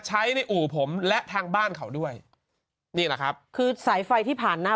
ใช้ในอู่ผมและทางบ้านเขาด้วยนี่แหละครับคือสายไฟที่ผ่านหน้า